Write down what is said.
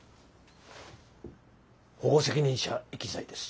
保護責任者遺棄罪です。